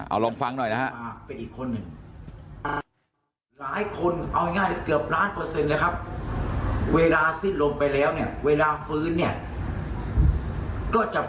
เอาลงฟังหน่อยนะครับ